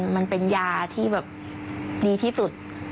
มันเป็นยาที่แบบดีที่สุด